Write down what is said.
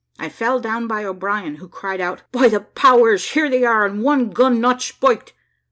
I fell down by O'Brien, who cried out, "By the powers! here they are, and one gun not spiked."